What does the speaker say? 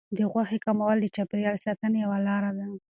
د غوښې کمول د چاپیریال ساتنې یوه لار ده.